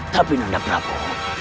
tapi nanda prabu